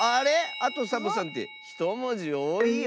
「あとサボさん」って１もじおおいよ。